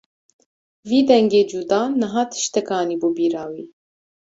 Vî dengê cuda niha tiştek anîbû bîra wî.